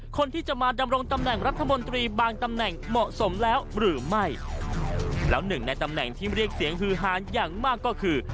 คนที่จะมาดำรงตำแหน่งรัฐมนตรีบางตำแหน่งเหมาะสมแล้วหรือไม่แล้วหนึ่งในตำแหน่งที่เรียกเสียงฮือฮานอย่างมากก็คือ